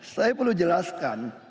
saya perlu jelaskan